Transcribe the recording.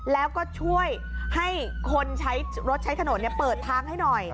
แล้วก็ช่วยให้คนใช้รถใช้ถนนเปิดทางให้หน่อย